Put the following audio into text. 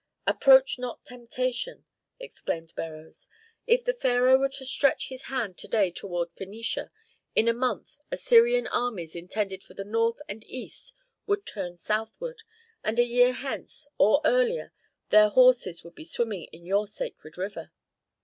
"Approach not temptation!" exclaimed Beroes. "If the pharaoh were to stretch his hand to day toward Phœnicia, in a month Assyrian armies intended for the north and east would turn southward, and a year hence or earlier their horses would be swimming in your sacred river."